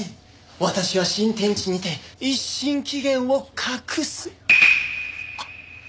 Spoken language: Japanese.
「私は新天地にて一新紀元を画す」。